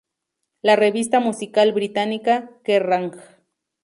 La revista musical británica "Kerrang!